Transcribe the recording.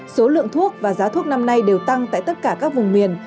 số lượng thuốc và giá thuốc năm nay đều tăng tại tất cả các vùng miền